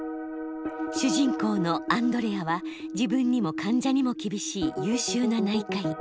主人公のアンドレアは自分にも患者にも厳しい優秀な内科医。